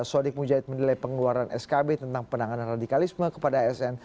sodik mujahid menilai pengeluaran skb tentang penanganan radikalisme kepada asn